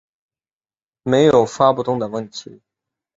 没有发不动的问题